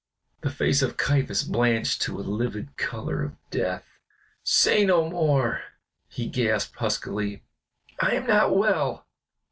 The face of Caiaphas blanched to the livid color of death. "Say no more," he gasped huskily, "I am not well."